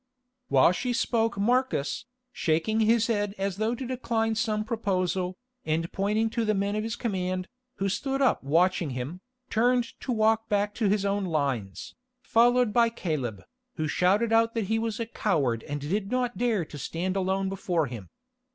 While she spoke Marcus, shaking his head as though to decline some proposal, and pointing to the men of his command, who stood up watching him, turned to walk back to his own lines, followed by Caleb, who shouted out that he was a coward and did not dare to stand alone before him.